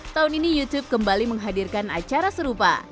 tahun ini youtube kembali menghadirkan acara serupa